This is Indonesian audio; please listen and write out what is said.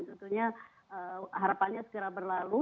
tentunya harapannya segera berlalu